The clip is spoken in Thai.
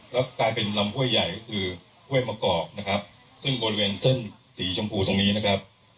แล้วกลายเป็นลำห้วยใหญ่ก็คือห้วยมะกอกนะครับซึ่งบริเวณเส้นสีชมพูตรงนี้นะครับ